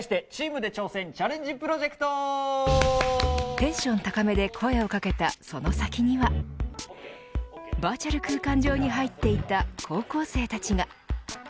テンション高めで声を掛けたその先にはバーチャル空間上に入っていた高校生たちが。